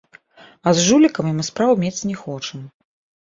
А з жулікамі мы спраў мець не хочам.